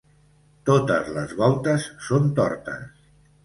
Totes les voltes són tortes.